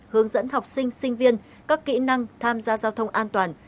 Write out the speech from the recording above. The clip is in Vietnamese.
hướng dẫn học sinh sinh viên các kỹ năng tham gia giao thông an toàn